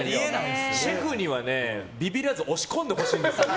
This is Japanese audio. シェフにはね、ビビらず押し込んでほしいんですよ。